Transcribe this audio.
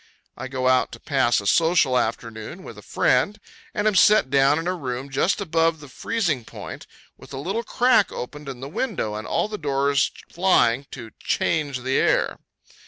I go out to pass a social afternoon with a friend, and am set down in a room just above the freezing point, with a little crack opened in the window, and all the doors flying, to change the air.